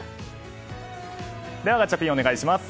ではガチャピン、お願いします。